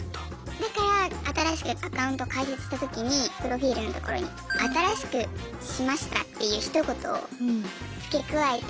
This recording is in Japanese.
だから新しくアカウント開設した時にプロフィールのところに「新しくしました」っていうひと言を付け加えて。